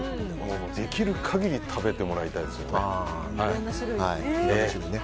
できる限り食べてもらいたいですね。